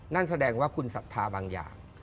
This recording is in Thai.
นั่นแสดงว่าคุณศรัทธาบางอย่าง